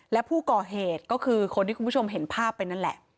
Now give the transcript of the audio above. และผู้ก่อเหตุก็คือคนที่คุณผู้ชมเห็นภาพไปนั่นแหละ